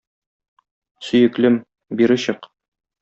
Сөеклем, бире чык.